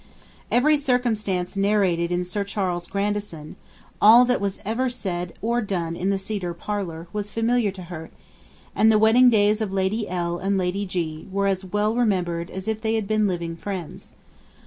Every circumstance narrated in Sir Charles Grandison, all that was ever said or done in the cedar parlour, was familiar to her; and the wedding days of Lady L. and Lady G. were as well remembered as if they had been living friends.